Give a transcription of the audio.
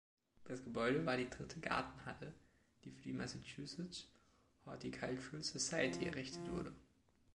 Das Gebäude war die dritte „Gartenhalle“, die für die Massachusetts Horticultural Society errichtet wurde.